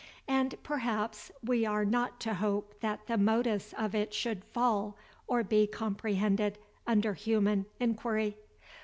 And, perhaps, we are not to hope that the modus of it should fall, or be comprehended, under human inquiry.